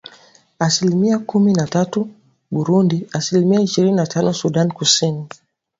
asilimia kumi na tatu Burundi asilimia ishirini na tano Sudan Kusini